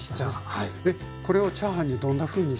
えこれをチャーハンにどんなふうにして？